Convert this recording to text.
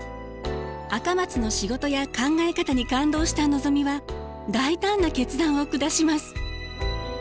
赤松の仕事や考え方に感動したのぞみは大胆な決断を下します。